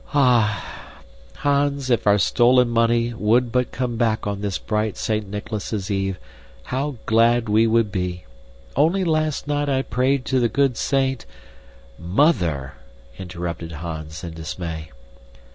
Ah! Hans, if our stolen money would but come back on this bright Saint Nicholas's Eve, how glad we would be! Only last night I prayed to the good saint " "Mother!" interrupted Hans in dismay.